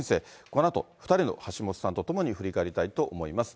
このあと、２人のはしもとさんとともに振り返りたいと思います。